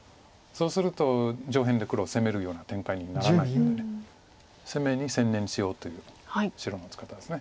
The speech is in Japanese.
そうすると上辺で黒を攻めるような展開にならないので攻めに専念しようという白の打ち方です。